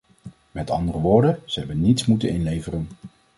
Met andere woorden, ze hebben niets moeten inleveren.